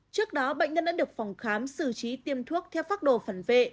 trước đó bệnh nhân đã được phòng khám xử trí tiêm thuốc theo pháp đồ phần vệ